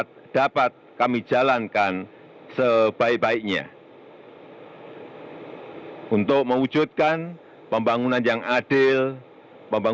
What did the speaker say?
sucapan terima kasih juga kami sampaikan kepada seluruh partai koalisi seluruh relawan yang telah bekerja keras